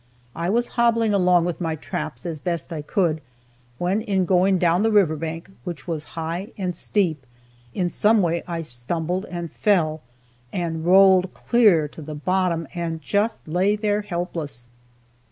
I was hobbling along with my traps, as best I could, when in going down the river bank, which was high and steep, in some way I stumbled and fell, and rolled clear to the bottom, and just lay there helpless.